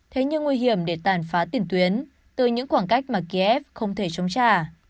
thế nhưng nguy hiểm để tàn phá tiền tuyến từ những khoảng cách mà kiev không thể chống trả